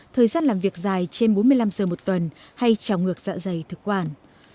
thời gian làm việc dài trên bốn mươi năm giờ một tuần hay trào ngược dạ dày thực quản